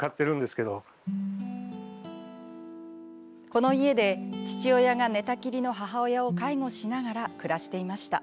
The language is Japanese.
この家で、父親が寝たきりの母親を介護しながら暮らしていました。